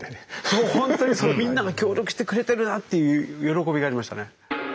そうほんとにみんなが協力してくれてるなっていう喜びがありましたね。